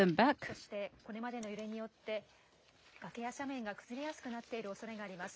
そして、これまでの揺れによって、崖や斜面が崩れやすくなっているおそれがあります。